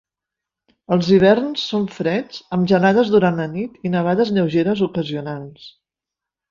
Els hiverns són freds amb gelades durant la nit i nevades lleugeres ocasionals.